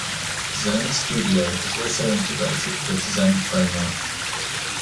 Zend Studio is also integrated with Zend Framework.